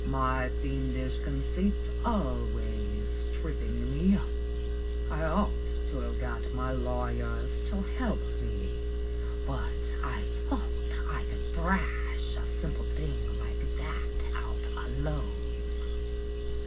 My fiendish conceit's always tripping me up. I ought to have got my lawyers to help me; but I thought I could thrash a simple thing like that out alone.